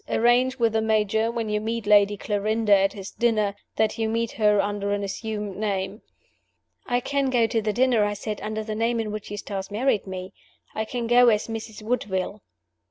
Arrange with the Major, when you meet Lady Clarinda at his dinner, that you meet her under an assumed name." "I can go to the dinner," I said, "under the name in which Eustace married me. I can go as 'Mrs. Woodville.